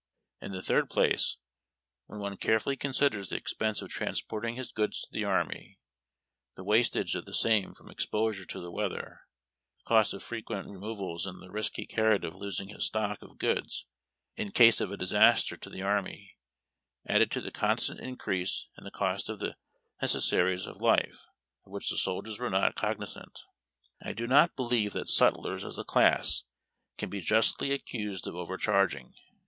In the third place, when one carefully considers the ex pense of transporting his goods to the army, the wastage of the same from exposure to the weather, the cost of fre quent removals, and the risk he carried of losing his stock SEKVIN'O OUT RATIONS AT THE cook's SHANTY. of goods in case of a dis aster to the army, added to the constant increase in the cost of the necessaries of life, of which the soldiers were not cognizant, I do not believe that sutlers as a class can be justly accused of over charging.